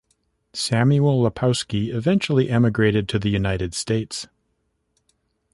Samuel Lapowski eventually emigrated to the United States.